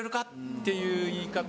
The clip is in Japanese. っていう言い方。